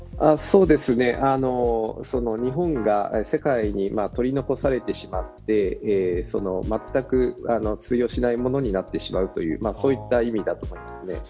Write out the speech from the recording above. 日本が世界に取り残されてしまってまったく通用しないものになってしまうという意味だと思います。